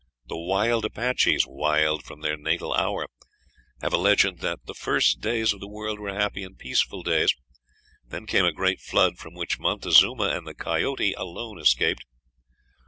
The wild Apaches, "wild from their natal hour," have a legend that "the first days of the world were happy and peaceful days;" then came a great flood, from which Montezuma and the coyote alone escaped.